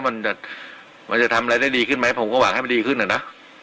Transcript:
มันจะมันจะทำอะไรได้ดีขึ้นไหมผมก็หวังให้มันดีขึ้นอะนะ